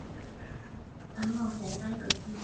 等我寫低佢先